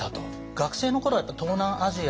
学生の頃はやっぱ東南アジア。